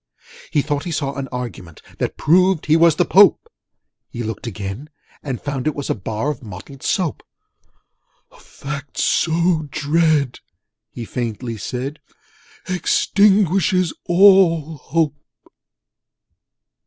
He thought he saw a Argument That proved he was the Pope: He looked again, and found it was A Bar of Mottled Soap. 'A fact so dread,' he faintly said, 'Extinguishes all hope!'